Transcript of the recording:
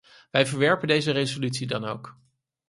Wij verwerpen deze resolutie dan ook.